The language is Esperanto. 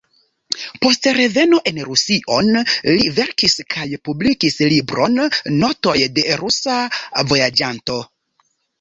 Post reveno en Rusion li verkis kaj publikis libron "“Notoj de rusa vojaĝanto”".